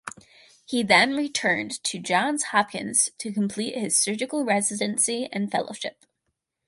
He then returned to Johns Hopkins to complete his surgical residency and fellowship.